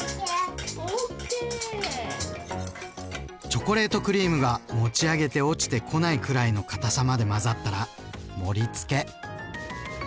チョコレートクリームが持ち上げて落ちてこないくらいのかたさまで混ざったら盛り付け。